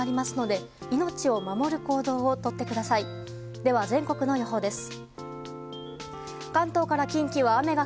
では全国の予報です。